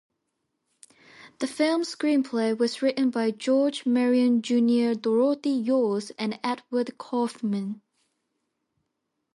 The film's screenplay was written by George Marion Junior Dorothy Yost and Edward Kaufman.